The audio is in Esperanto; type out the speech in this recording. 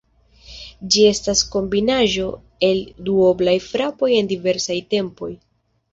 Ĝi estas kombinaĵo el duoblaj frapoj en diversaj tempoj.